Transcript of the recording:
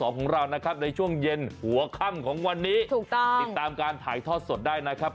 ของเรานะครับในช่วงเย็นหัวค่ำของวันนี้ถูกต้องติดตามการถ่ายทอดสดได้นะครับ